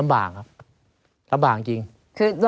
ไม่มีครับไม่มีครับ